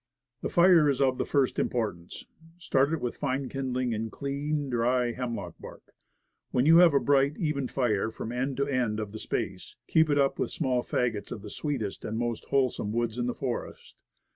The fire is of the first importance. Start it with fine kindling and clean, dry, hemlock bark. When you have a bright, even fire from end to end of the space, keep it up with small fagots of the sweetest and most wholesome woods in the forest.